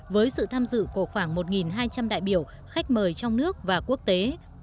với sự tham dự của khoảng một hai trăm linh đại biểu khách mời trong nước và quốc tế